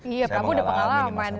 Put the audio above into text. iya prabu udah pengalaman